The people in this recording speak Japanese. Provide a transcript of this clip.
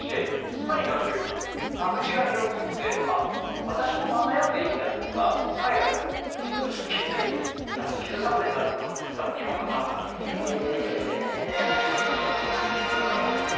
とにかく間口が広くてあっ私も漫画読んでいいんだとか海外の人たちが気づいた気づかせたのが多分日本の漫画だと思うんです。